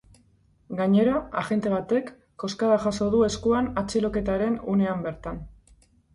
Gainera, agente batek koskada jaso du eskuan atxiloketaren unean bertan.